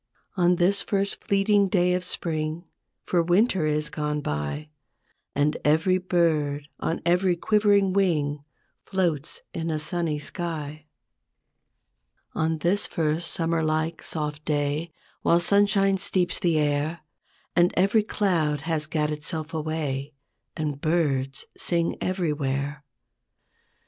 On this first fleeting day of Spring, For Winter is gone by, And every bird on every quivering wing Floats in a sunny sky ; On this first Summer like soft day, While sunshine steeps the air And every cloud has gat itself away, And birds sing everywhere.